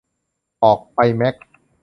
ออกไปแมค